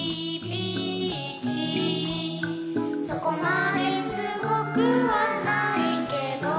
「そこまですごくはないけど」